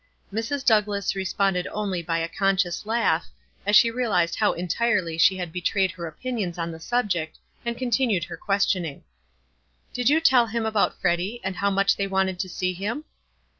Mrs. Douglass responded only by a conscious laugh, as she realized how entirely she had be trayed her opinions on the subject, and contin ued her questioning. "Did you tell him about Freddy, and how much they wanted to see him?"